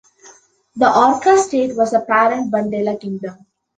The Orchha State was the parent Bundela kingdom.